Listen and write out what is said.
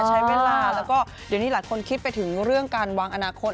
ใช้เวลาแล้วก็เดี๋ยวนี้หลายคนคิดไปถึงเรื่องการวางอนาคต